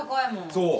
そう！